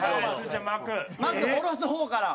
まず下ろす方から。